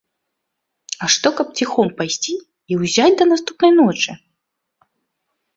А што каб ціхом пайсці і ўзяць да наступнай ночы?